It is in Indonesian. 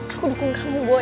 aku dukung kamu boy